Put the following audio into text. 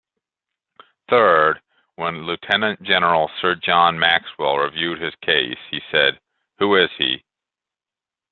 Third, when Lt-Gen Sir John Maxwell reviewed his case he said, Who is he?